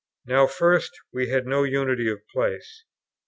Now, first, we had no unity of place.